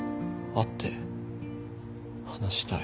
会って話したい。